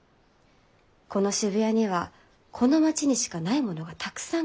この渋谷にはこの町にしかないものがたくさんございます。